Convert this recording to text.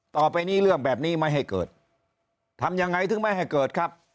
ต่อไปนี้เรื่องแบบนี้ไม่ให้เกิดทำยังไงถึงไม่ให้เกิดครับ